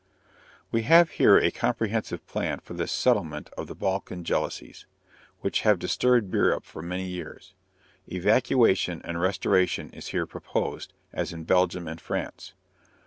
_ We have here a comprehensive plan for the settlement of the Balkan jealousies, which have disturbed Europe for many years. Evacuation and restoration is here proposed, as in Belgium and France.